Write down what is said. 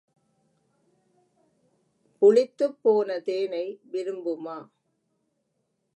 புளித்துப் போன தேனை விரும்புமா?